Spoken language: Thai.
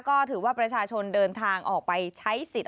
ก็ถือว่าประชาชนเดินทางออกไปใช้สิทธิ์